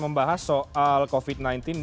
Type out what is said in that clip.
membahas soal covid sembilan belas di jawa tengah